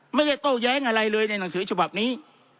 ไม่ได้โต้แย้งอะไรเลยในหนังสือฉบับนี้